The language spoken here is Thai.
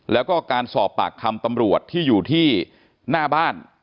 แล้วก็การสอบปากคำตำรวจที่อยู่ที่หน้าบ้าน